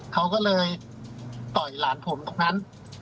เขาก็เลยต่อยหลานผมตรงนั้น